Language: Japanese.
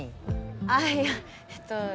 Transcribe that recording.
あぁいやえっと